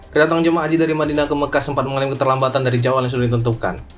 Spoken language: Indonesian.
kedatangan jemaah haji dari madinah ke mekah sempat mengalami keterlambatan dari jadwal yang sudah ditentukan